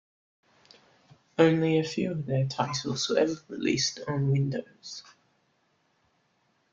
Only a few of their titles were ever released on Windows.